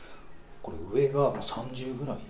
これ、上が３０くらい。